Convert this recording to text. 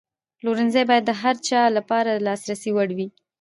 پلورنځی باید د هر چا لپاره د لاسرسي وړ وي.